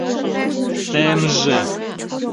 Темже!..